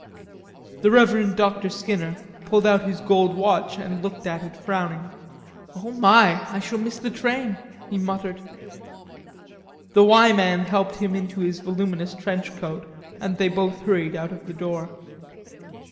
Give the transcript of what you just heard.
The Reverend Dr. Skinner pulled out his gold watch and looked at it frowning. "Oh, my, I shall miss the train," he muttered. The "Y" man helped him into his voluminous trench coat and they both hurried out of the door.